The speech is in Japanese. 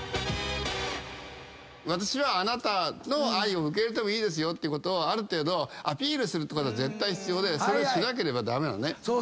私はあなたの愛を受け入れてもいいですよっていうことをある程度アピールするってことは絶対必要でしなければ駄目なの。